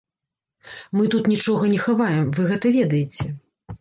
Мы тут нічога не хаваем, вы гэта ведаеце.